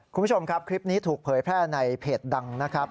คุณผู้ชมครับคลิปนี้ถูกเผยแพร่ในเพจดังนะครับ